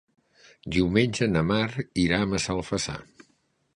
Diumenge na Mar irà a Massalfassar.